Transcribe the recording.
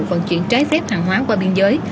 vận chuyển trái phép hàng hóa qua biên giới